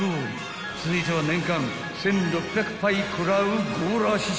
［続いては年間１，６００杯食らうゴーラー師匠から］